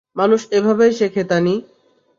মানুষ এভাবেই শেখে, তানি।